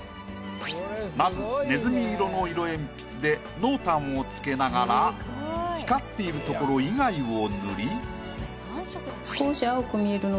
まずねずみ色の色鉛筆で濃淡をつけながら光っている所以外を塗り。